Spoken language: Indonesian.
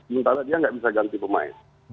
minta dia tidak bisa ganti pemain